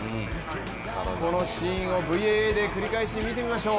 このシーンをＶＡＡで繰り返し見てみましょう。